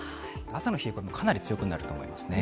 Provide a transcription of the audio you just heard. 朝の冷え込み、かなり強くなると思いますね。